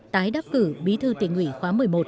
tái đắc cử bí thư tỉnh ủy khóa một mươi một